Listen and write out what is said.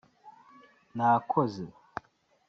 nakoze